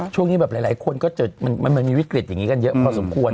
ช่วงนี้แบบหลายคนก็เจอมันมีวิกฤตอย่างนี้กันเยอะพอสมควร